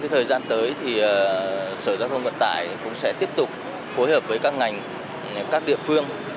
thời gian tới sở giao thông vận tải cũng sẽ tiếp tục phối hợp với các ngành các địa phương